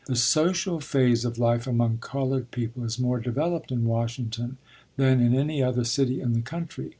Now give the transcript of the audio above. The social phase of life among colored people is more developed in Washington than in any other city in the country.